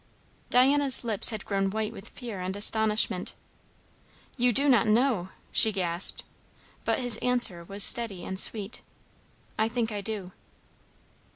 Diana's lips had grown white with fear and astonishment. "You do not know!" she gasped. But his answer was steady and sweet. "I think I do."